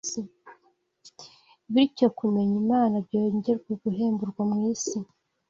bityo kumenya Imana byongere guhemburwa mu isi.